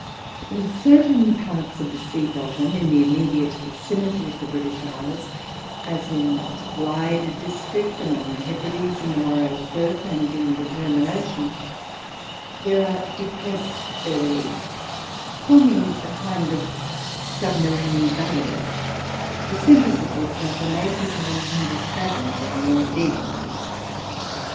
In certain parts of the sea bottom in the immediate vicinity of the British Islands, as in the Clyde district, among the Hebrides, in the Moray Firth, and in the German Ocean, there are depressed areas, forming a kind of submarine valleys, the centres of which are from 80 to 100 fathoms, or more, deep.